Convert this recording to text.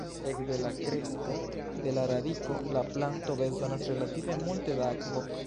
Ekde la kresko de la radiko la planto bezonas relative multe da akvo.